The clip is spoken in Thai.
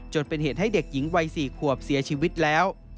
จนเป็นเหตุให้เด็กหญิงวัย๔ขวบเสียชีวิตแล้ว